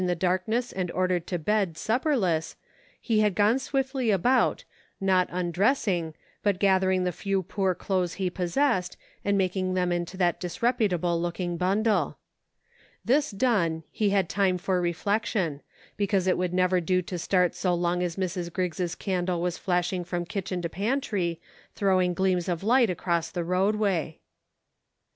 the darkness and ordered to bed, supperless, he had gone swiftly about, not undressing, but gather ing the few poor clothes he possessed, and making them into that disreputable looking bundle. This done, he had time for reflection ; because it would never do to start so long as Mrs. Griggs' candle was flashing from kitchen to pantry, throwing gleams of light across the roadway.